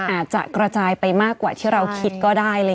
อาจจะกระจายไปมากกว่าที่เราคิดก็ได้